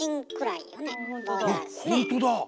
ほんとだ。